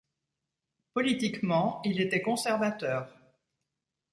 Politiquement, il était conservateur.